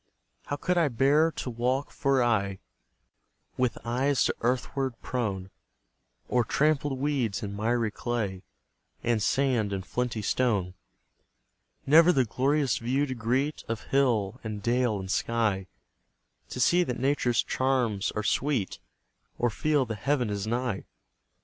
How could I bear to walk for aye, With eyes to earthward prone, O'er trampled weeds and miry clay, And sand and flinty stone; Never the glorious view to greet Of hill and dale, and sky; To see that Nature's charms are sweet, Or feel that Heaven is nigh?